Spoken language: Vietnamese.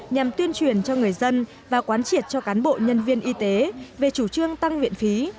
nhằm tuyên truyền cho người dân và quán triệt cho cán bộ nhân viên y tế về chủ trương tăng viện phí